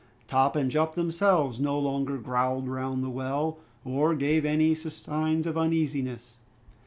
Top and Jup themselves no longer growled round the well or gave any signs of uneasiness.